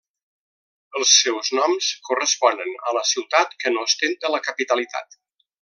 Els seus noms corresponen a la ciutat que n'ostenta la capitalitat.